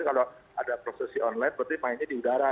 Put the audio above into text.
kalau ada prosesi online berarti mainnya di udara